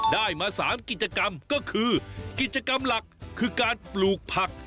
ได้มา๓กิจกรรมก็คือกิจกรรมหลักคือการปลูกผัก